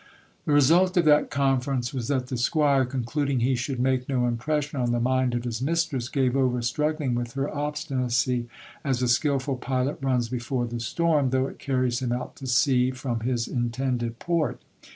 The result of that conference was that the squire, concluding he should make no impression on the mind of his mistress, gave over struggling with her ob stinacy, as a skilful pilot runs before the storm, though it carries him out to sea from his intended port.